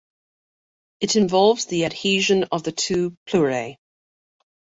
It involves the adhesion of the two pleurae.